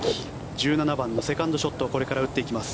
１７番のセカンドショットをこれから打っていきます。